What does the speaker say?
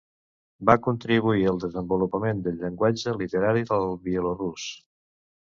Va contribuir al desenvolupament del llenguatge literari del bielorús.